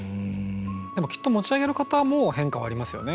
でもきっと持ち上げる方も変化はありますよね